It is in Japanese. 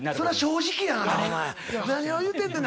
何を言うてんねや。